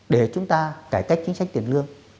để chúng ta cải cách chính sách tiền lương